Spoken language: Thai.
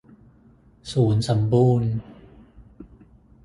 ศูนย์สัมบูรณ์